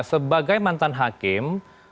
sebagai mantan hakim